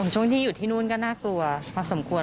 ช่วงที่อยู่ที่นู่นก็น่ากลัวพอสมควร